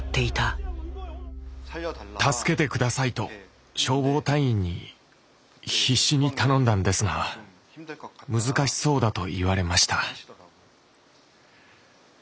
「助けて下さい」と消防隊員に必死に頼んだんですが「難しそうだ」と言われました。